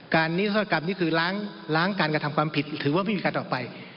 นิทธศกรรมนี่คือล้างการกระทำความผิดถือว่าไม่มีการออกไป